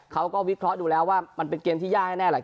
เขาก็วิเคราะห์ดูแล้วว่ามันเป็นเกมที่ยากแน่แหละ